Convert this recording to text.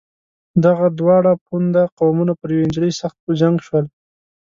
دغه دواړه پوونده قومونه پر یوې نجلۍ سخت په جنګ شول.